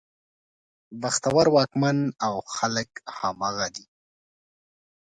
بختور واکمن او خلک همغه دي.